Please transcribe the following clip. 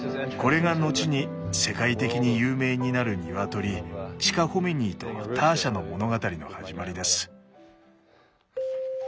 これが後に世界的に有名になるニワトリチカホミニーとターシャの物語の始まりです。